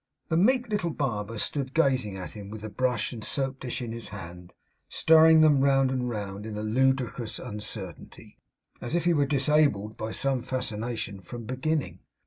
The meek little barber stood gazing at him with the brush and soap dish in his hand, stirring them round and round in a ludicrous uncertainty, as if he were disabled by some fascination from beginning.